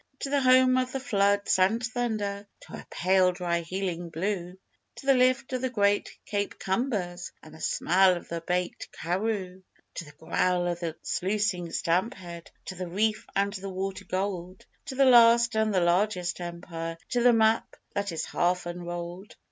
To the home of the floods and thunder, To her pale dry healing blue To the lift of the great Cape combers, And the smell of the baked Karroo. To the growl of the sluicing stamp head To the reef and the water gold, To the last and the largest Empire, To the map that is half unrolled!